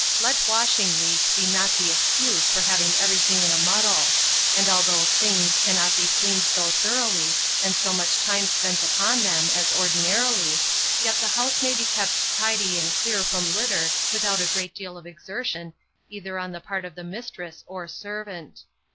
Let washing week be not the excuse for having everything in a muddle; and although "things" cannot be cleaned so thoroughly, and so much time spent upon them, as ordinarily, yet the house may be kept tidy and clear from litter without a great deal of exertion either on the part of the mistress or servant.